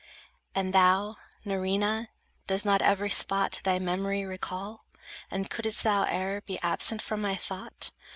And thou, Nerina, does not every spot Thy memory recall? And couldst thou e'er Be absent from my thought?